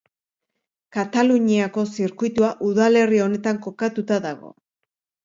Kataluniako Zirkuitua udalerri honetan kokatuta dago.